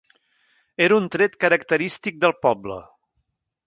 Era un tret característic del poble.